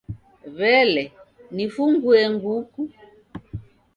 W'ele, nifunguye nguku?